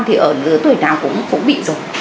thì ở lứa tuổi nào cũng bị dùng